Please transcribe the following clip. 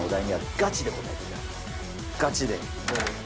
ガチで。